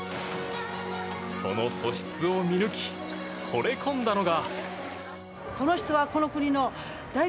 その素質を見抜きほれ込んだのが。